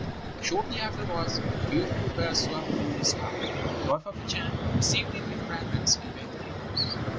"Shortly afterwards a beautiful bird swept through the sky. The wife of the Chan received it with fragrance giving tapers.